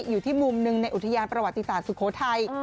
อยู่ที่มุมหนึ่งในอุทยานประวัติศาสตร์สุโขทัย